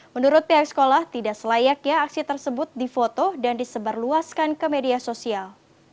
menurut pihak sekolah tidak selayaknya aksi tersebut difoto dan disebarluaskan ke media sosial